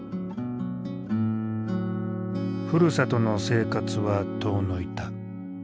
ふるさとの生活は遠のいた。